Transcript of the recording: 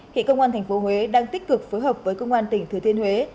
hiện công an tp huế đang tích cực phối hợp với công an tỉnh thừa thiên huế